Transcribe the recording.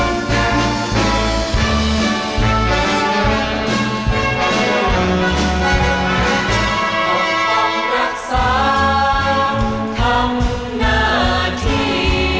เมืองไทย